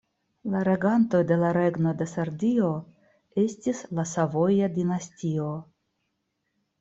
La regantoj de la Regno de Sardio estis la Savoja dinastio.